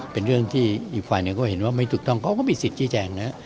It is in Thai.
เป็นเรื่องที่อีกฝ่ายหนึ่งก็เห็นว่าไม่ถูกต้องเขาก็มีสิทธิแจงนะ